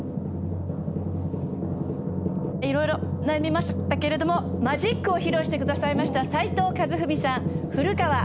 いろいろ悩みましたけれどもマジックを披露して下さいました齋藤和文さん古川活子さんに差し上げます！